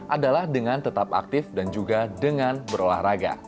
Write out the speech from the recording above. adalah dengan tetap aktif dan juga dengan berolahraga